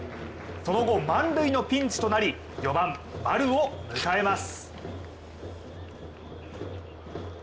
その後、満塁のピンチとなり４番・丸を迎えます。